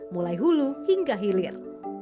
mulai hulu hingga hilir